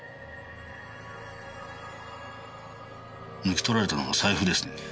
抜き取られたのは財布ですね。